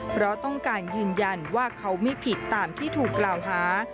เพราะต้องการยืนยันว่าเขาไม่ผิดตามที่ถูกกล่าวหา